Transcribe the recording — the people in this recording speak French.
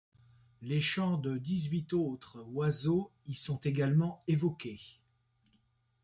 Les chants de dix-huit autres oiseaux y sont également évoqués.